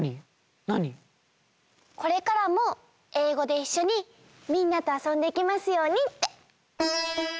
これからもえいごでいっしょにみんなとあそんでいけますようにって。